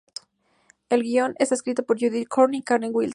El guion está escrito por Judith Coburn y Carter Wilson.